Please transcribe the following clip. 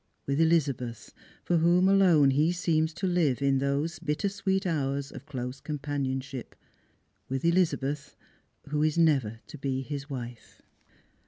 With Elizabeth, for whom alone he seems to live in those bitter sweet hours of close com panionship ; with Elizabeth, who is never to be his wife.